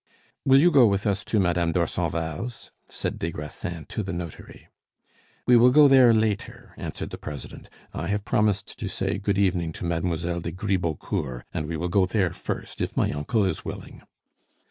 "Will you go with us to Madame Dorsonval's?" said des Grassins to the notary. "We will go there later," answered the president. "I have promised to say good evening to Mademoiselle de Gribeaucourt, and we will go there first, if my uncle is willing."